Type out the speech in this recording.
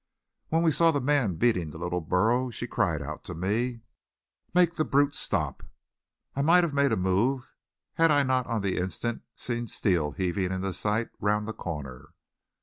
When we saw the man beating the little burro she cried out to me: "Make the brute stop!" I might have made a move had I not on the instant seen Steele heaving into sight round the corner.